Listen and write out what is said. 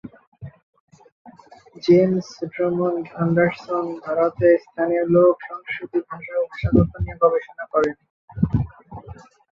James Drummond Anderson ভারতে স্থানীয় লোক-সংস্কৃতি, ভাষা ও ভাষাতত্ত্ব নিয়ে গবেষণা করেন।